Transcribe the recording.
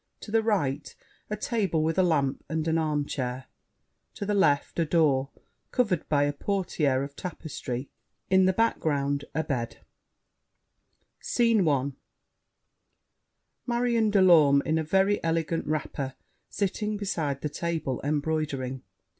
To the right, a table with a lamp, and an armchair. To the left a door, covered by a portière of tapestry. In the background a bed SCENE I Marion de Lorme, in a very elegant wrapper, sitting beside the table, embroidering.